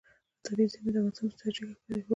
طبیعي زیرمې د افغانستان په ستراتیژیک اهمیت کې رول لري.